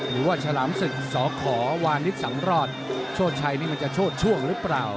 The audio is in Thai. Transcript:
โชดชัยปสุวรรณโชดหรือว่าชลามศึกสขวศโชดชัยนี่มันจะโชดช่วงหรือเปล่า